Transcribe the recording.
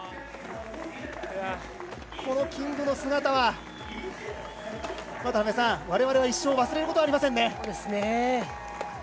このキングの姿はわれわれは一生、忘れることはありませんね。